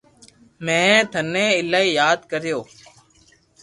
مي ٺني ايلائي ياد ڪريو